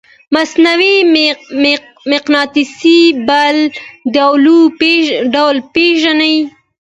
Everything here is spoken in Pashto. مصنوعي مقناطیس بل ډول پیژنئ؟